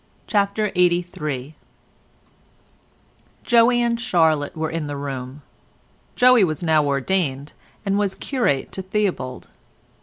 CHAPTER LXXXIII Joey and Charlotte were in the room. Joey was now ordained, and was curate to Theobald.